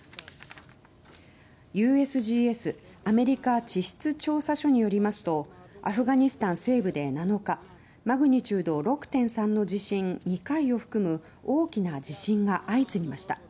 ＵＳＧＳ・アメリカ地質調査所によりますとアフガニスタン西部で７日マグニチュード６．３の地震２回を含む大きな地震が相次ぎました。